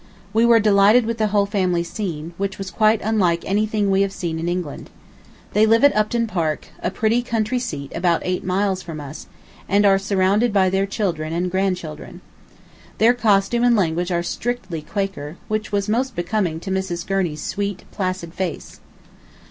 We were delighted with the whole family scene, which was quite unlike anything we have seen in England. They live at Upton Park, a pretty country seat about eight miles from us, and are surrounded by their children and grandchildren. Their costume and language are strictly Quaker, which was most becoming to Mrs. Gurney's sweet, placid face.